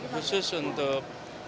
khusus untuk kegiatan idola